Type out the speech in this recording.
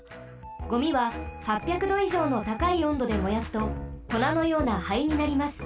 ゴミは８００どいじょうのたかいおんどで燃やすとこなのような灰になります。